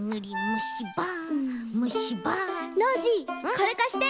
これかして。